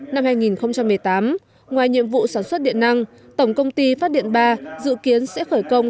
năm hai nghìn một mươi tám ngoài nhiệm vụ sản xuất điện năng tổng công ty phát điện ba dự kiến sẽ khởi công